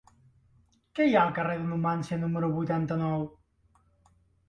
Què hi ha al carrer de Numància número vuitanta-nou?